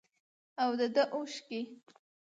او دده اوښكي